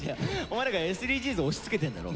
お前何かＳＤＧｓを押し付けてんだろ。